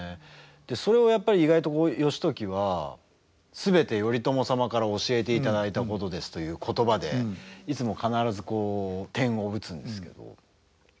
それをやっぱり意外と義時は全て頼朝様から教えていただいたことですという言葉でいつも必ずこう点を打つんですけど。